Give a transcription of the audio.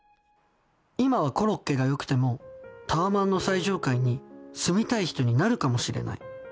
今はコロッケが良くてもタワマンの最上階に住みたい人になるかもしれない。